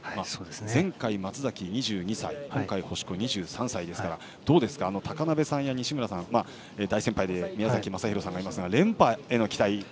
前回の松崎は２２歳今回の星子は２３歳なので高鍋さんや西村さん大先輩で宮崎正裕さんがいますが連覇への期待。